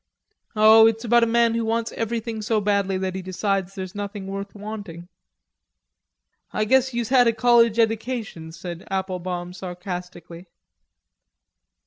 "Oh, it's about a man who wants everything so badly that he decides there's nothing worth wanting." "I guess youse had a college edication," said Applebaum sarcastically.